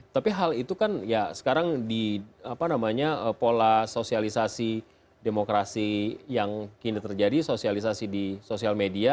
tapi hal itu kan ya sekarang di pola sosialisasi demokrasi yang kini terjadi sosialisasi di sosial media